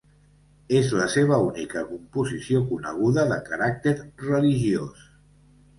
És la seva única composició coneguda de caràcter religiós.